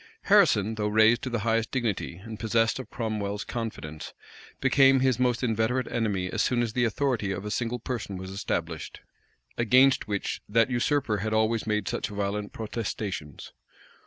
Harrison, though raised to the highest dignity, and possessed of Cromwell's confidence, became his most inveterate enemy as soon as the authority of a single person was established, against which that usurper had always made such violent protestations.